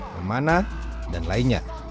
pemana dan lainnya